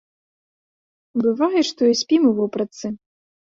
Бывае, што і спім у вопратцы.